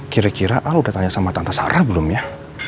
kira kira ah udah tanya sama tante sarah belum ya